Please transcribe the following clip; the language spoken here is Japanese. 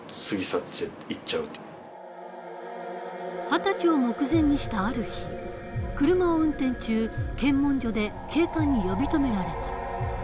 二十歳を目前にしたある日車を運転中検問所で警官に呼び止められた。